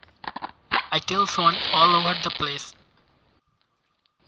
I telephoned all over the place.